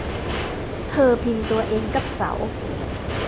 เธอพิงตัวเองกับเสา